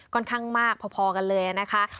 ค่อนข้างมากพอกันเลยนะคะ